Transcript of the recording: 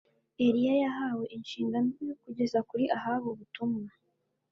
Eliya yahawe inshingano yo kugeza kuri Ahabu ubutumwa